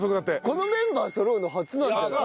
このメンバーそろうの初なんじゃない？